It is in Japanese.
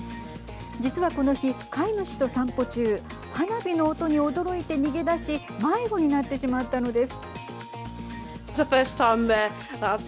実はこの日、飼い主と散歩中花火の音に驚いて逃げ出し迷子になってしまったのです。